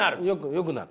よくなる。